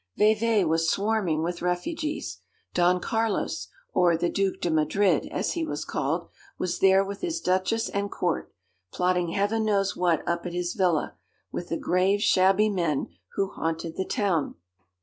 Vevey was swarming with refugees. Don Carlos, or the Duke de Madrid, as he was called, was there with his Duchess and court, plotting heaven knows what up at his villa, with the grave, shabby men who haunted the town.